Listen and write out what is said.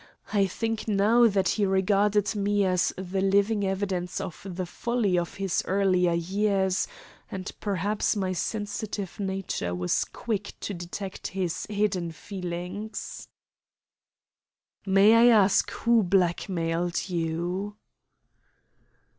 I think now that he regarded me as the living evidence of the folly of his earlier years, and perhaps my sensitive nature was quick to detect this hidden feeling." "May I ask who blackmailed you?"